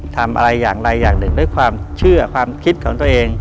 ทำอะไรอย่างไรอย่างหนึ่งด้วยความเชื่อความคิดของตัวเอง